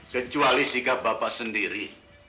kecuali sikap bapak sendiri